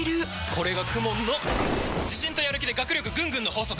これがＫＵＭＯＮの自信とやる気で学力ぐんぐんの法則！